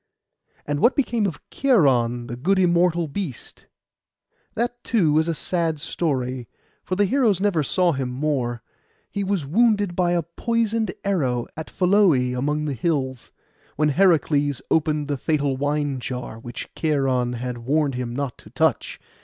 And what became of Cheiron, the good immortal beast? That, too, is a sad story; for the heroes never saw him more. He was wounded by a poisoned arrow, at Pholoe among the hills, when Heracles opened the fatal wine jar, which Cheiron had warned him not to touch.